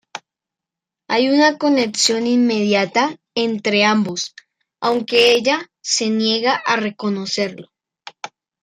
Hay una conexión inmediata entre ambos, aunque ella se niega a reconocerlo.